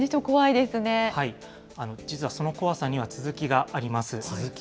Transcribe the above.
実はその怖さには続きがあり続き？